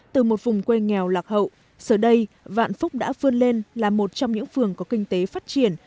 từ một vùng quê nghèo lạc hậu giờ đây vạn phúc đã vươn lên là một trong những phường có kinh tế phát triển